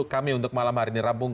kami untuk malam hari ini rampung